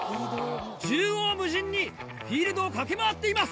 縦横無尽にフィールドを駆け回っています！